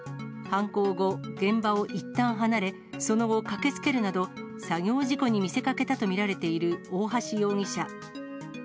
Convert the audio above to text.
犯行後、現場をいったん離れ、その後、駆けつけるなど、作業事故に見せかけたと見られている大橋容疑者。